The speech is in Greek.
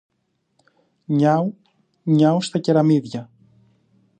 Νιάου, νιάου στα κεραμίδια!